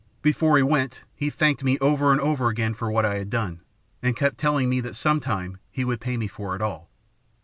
Before he went, he thanked me over and over again for what I had done, and kept telling me that some time he would pay me for it all.